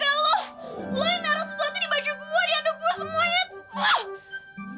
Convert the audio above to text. lo yang naro sesuatu di baju gua diandung gua semuanya